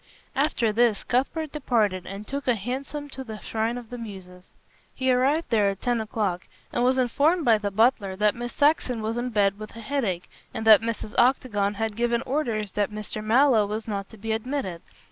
After this Cuthbert departed and took a hansom to the "Shrine of the Muses." He arrived there at ten o'clock, and was informed by the butler that Miss Saxon was in bed with a headache, and that Mrs. Octagon had given orders that Mr. Mallow was not to be admitted.